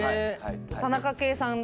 田中圭さん